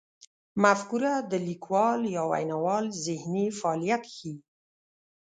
مفکوره د لیکوال یا ویناوال ذهني فعالیت ښيي.